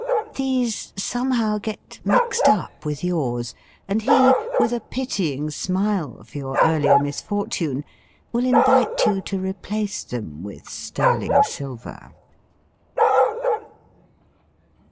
These some how get mixed up with yours, and he, with a pitying smile for your earlier misfortune, will invite you to replace them with sterling silver.